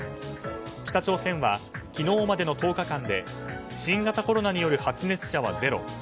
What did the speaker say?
北朝鮮は昨日までの１０日間で新型コロナウイルスによる発熱者はゼロ。